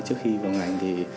trước khi vào ngành